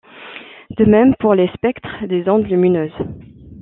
De même, pour les spectres des ondes lumineuses.